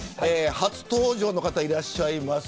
初登場の方がいらっしゃいます。